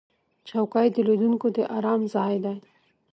چوکۍ د لیدونکو د آرام ځای دی.